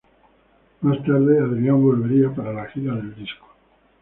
Más tarde, Adrian volvería para la gira del disco.